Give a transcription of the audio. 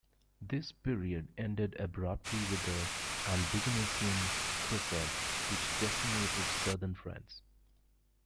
This period ended abruptly with the Albigensian Crusade, which decimated southern France.